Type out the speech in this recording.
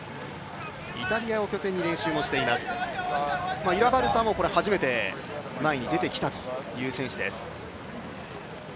イタリアを拠点に練習しています、イラバルタも初めて前に出てきたという選手です。